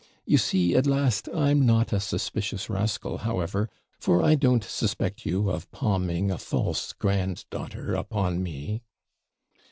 You see at last I'm not a suspicious rascal, however, for I don't suspect you of palming a false grand daughter upon me.'